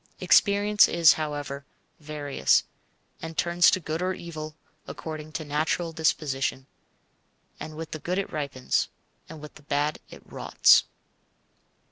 Experience is, however, various, and turns to good or evil according to natural disposition. With the good it ripens, with the bad it rots.